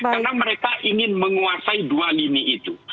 karena mereka ingin menguasai dua lini itu